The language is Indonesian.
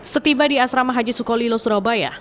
setiba di asrama haji sukolilo surabaya